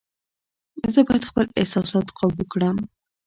زه باید خپل احساسات قابو کړم.